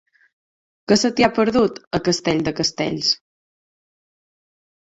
Què se t'hi ha perdut, a Castell de Castells?